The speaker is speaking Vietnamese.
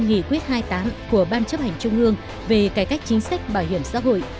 nghị quyết hai mươi tám của ban chấp hành trung ương về cải cách chính sách bảo hiểm xã hội